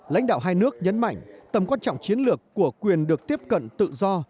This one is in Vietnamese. lãnh đạo hai nước nhấn mạnh tầm quan trọng chiến lược của quyền được tiếp cận tự do